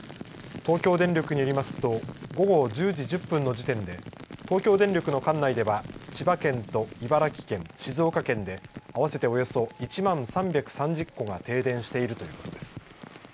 東京電力によりますと午後１０時１０分の時点で東京電力の管内では千葉県と茨城県静岡県で合わせておよそ１万３３０戸が停電しているということです。